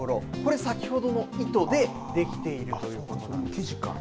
これ先ほどの糸でできているということなんです。